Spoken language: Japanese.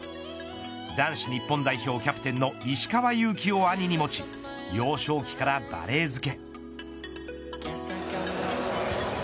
男子日本代表キャプテンの石川祐希を兄に持ち幼少期からバレー漬け。